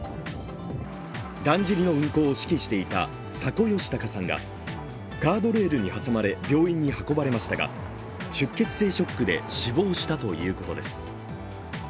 だんじりの運行を指揮していた佐古吉隆さんがガードレールに挟まれ病院に運ばれましたが、出血性ショックで死亡したということです。